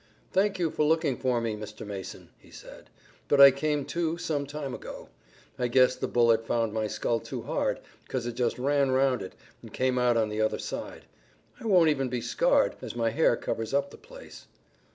"Thank you for looking for me, Mr. Mason," he said, "but I came to, some time ago. I guess the bullet found my skull too hard, 'cause it just ran 'roun' it, and came out on the other side. I won't even be scarred, as my hair covers up the place."